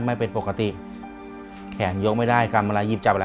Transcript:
เปลี่ยนเพลงเพลงเก่งของคุณและข้ามเพลงนี้ไปเลย